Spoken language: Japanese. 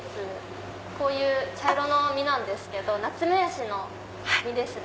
こういう茶色の実なんですけどナツメヤシの実ですね。